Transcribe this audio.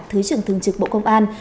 thứ trưởng thường trực bộ công an